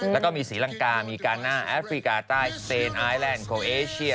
แล้วก็มีศรีลังกามีกาน่าแอฟริกาใต้สเตนไอแลนด์ของเอเชีย